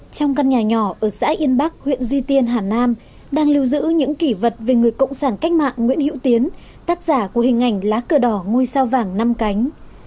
trong căn nhà nhỏ ở xã yên bắc huyện duy tiên hà nam đang lưu giữ những kỷ vật về người cộng sản cách mạng nguyễn hữu tiến tác giả của hình ảnh lá cờ đỏ ngôi sao vàng năm cánh